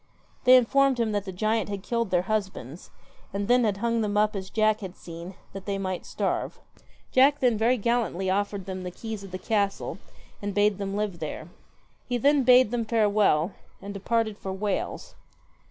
They informed him that the giant had killed their husbands, and then had hung them up as Jack had seen, that they might starve. Jack then very gallantly offered them the keys of the castle and bade them live there. He then bade them farewell, and departed for Wales.